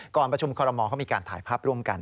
ก่อนประชุมคอรมอลเขามีการถ่ายภาพร่วมกัน